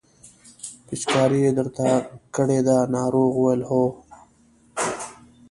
پېچکاري یې درته کړې ده ناروغ وویل هو.